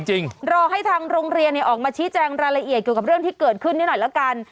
รอให้ทางโรงเรียนออกมาชี้แจงรายละเอียดเกี่ยวกับเรื่องที่เกิดขึ้นนิดหน่อยแล้วกัน